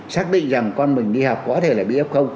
xác định rằng con mình đi học có thể là bị f